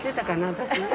私。